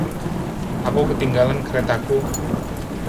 Aku ketinggalan keretaku.